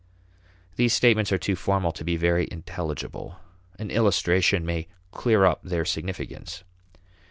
These statements are too formal to be very intelligible. An illustration may clear up their significance.